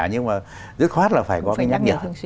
nhưng mà dứt khoát là phải có cái nhắc nhở